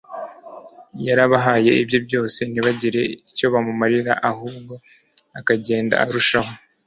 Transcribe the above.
yarabahaye ibye byose ntibagire icyo bamumarira ahubwo akagenda arushaho